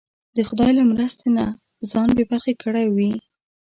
د خدای له مرستې نه ځان بې برخې کړی وي.